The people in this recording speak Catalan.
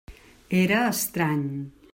Era estrany.